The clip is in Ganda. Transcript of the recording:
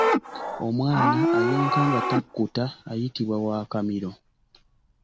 Omwana ayonka nga takkuta ayitibwa wa Kamiro.